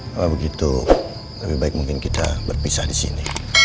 kalau begitu lebih baik mungkin kita berpisah disini